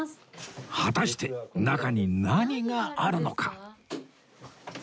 果たして中に何があるのか？